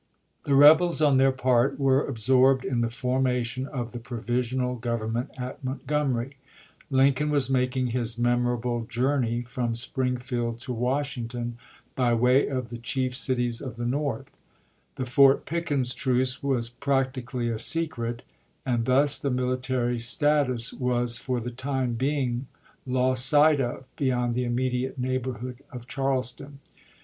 The rebels, on their part, were ab sorbed in the formation of the provisional govern ment at Montgomery; Lincoln was making his memorable journey from Springfield to Washing ton by way of the chief cities of the North; the Fort Pickens truce was practically a secret; and thus the military status was for the time being lost sight of beyond the immediate neighborhood of Charleston.